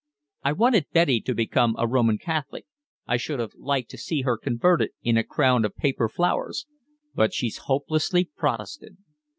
I wanted Betty to become a Roman Catholic, I should have liked to see her converted in a crown of paper flowers, but she's hopelessly Protestant.